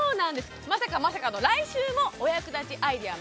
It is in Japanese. まさかまさかの来週もお役立ちアイデア